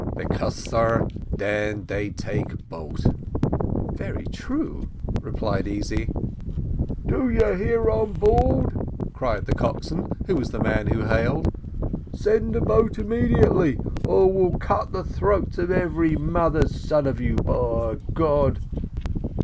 "Because, sar, den they take boat." "Very true," replied Easy. "Do you hear on board?" cried the coxswain, who was the man who hailed "send the boat immediately, or we'll cut the throats of every mother's son of you, by God!"